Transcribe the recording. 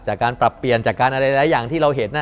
จากการปรับเปลี่ยนจากการอะไรหลายอย่างที่เราเห็น